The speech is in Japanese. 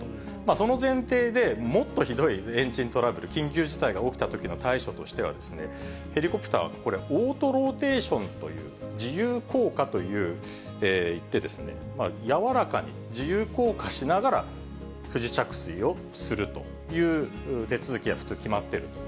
その前提で、もっとひどいエンジントラブル、緊急事態が起きたときの対処としてはですね、ヘリコプターはこれ、オートローテーションという自由降下といって、やわらかに自由降下しながら、不時着水をするという手続きが普通決まっていると。